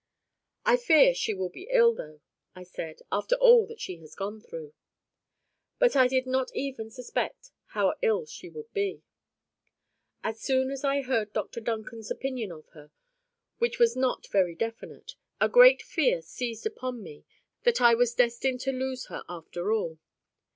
"I fear she will be ill, though," I said, "after all that she has gone through." But I did not even suspect how ill she would be. As soon as I heard Dr Duncan's opinion of her, which was not very definite, a great fear seized upon me that I was destined to lose her after all.